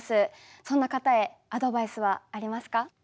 そんな方へアドバイスはありますか？